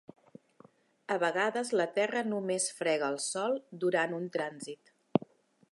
A vegades la Terra només frega el Sol durant un trànsit.